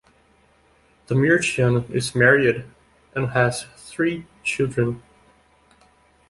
Demirchyan is married and has three children.